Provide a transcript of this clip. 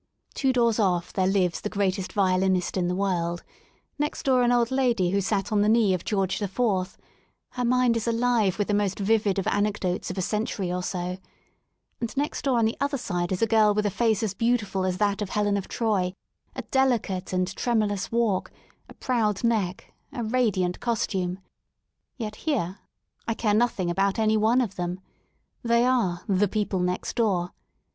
Two doors off there lives the greatest violinist in the world, next door an old lady who sat on the knee of George IV; her mind is alive with the most vivid of anecdotes of a century or so^and next door on the other side is a girl with a face as beautiful as that of Helen of Troy, a delicate and tremulous walk, a proud neck, a radiant costume. Yet, here, I care nothing about any one of them. They are *'the people next door."